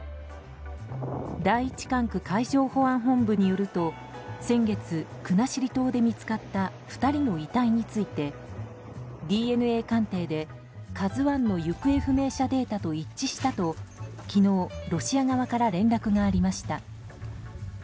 第１管区海上保安本部によると先月、国後島で見つかった２人の遺体についてＤＮＡ鑑定で「ＫＡＺＵ１」の行方不明者データと一致したと昨日、ロシア側から連絡がありました。